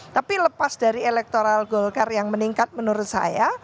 tapi lepas dari elektoral golkar yang meningkat menurut saya